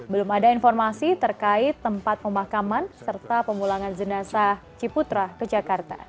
belum ada informasi terkait tempat pemakaman serta pemulangan jenazah ciputra ke jakarta